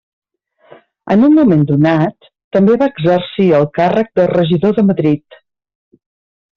En un moment donat també va exercir el càrrec de regidor de Madrid.